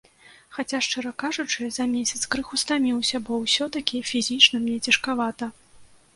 Хаця, шчыра кажучы, за месяц крыху стаміўся, бо ўсё-такі фізічна мне цяжкавата.